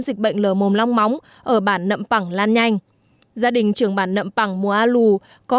dịch bệnh lở mồm long móng ở bản nậm pẳng lan nhanh gia đình trường bản nậm pẳng mùa a lù có